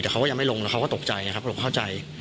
แต่เขาก็ยังไม่ลงแล้วเขาก็ตกใจไงครับหลงเข้าใจ